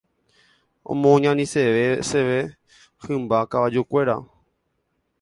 Omoñaniseveseve hymba kavajukuéra.